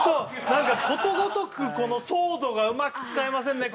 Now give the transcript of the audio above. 何かことごとくこのソードがうまく使えませんね